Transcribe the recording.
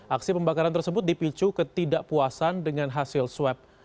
aksi pembakaran tersebut dipicu ketidakpuasan dengan hasil swab